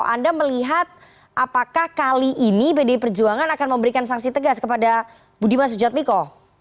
anda melihat apakah kali ini pdi perjuangan akan memberikan sanksi tegas kepada budiman sujadmiko